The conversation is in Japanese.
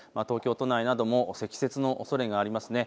東京都内なども積雪などのおそれがあります。